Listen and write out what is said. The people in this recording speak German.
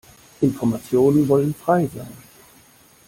Informationen wollen frei sein.